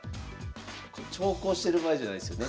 長考してる場合じゃないですよね。